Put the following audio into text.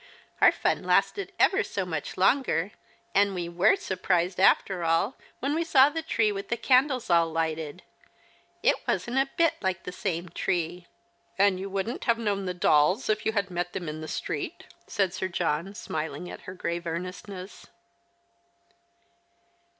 Our fun lasted ever so much longer, and we were surprised after all when we saw the tree with the candles all lighted. It wasn't a bit like the same tree." " And you wouldn't have known the dolls if you had met them in the street ?" said Sir John, smiling at her grave earnestness.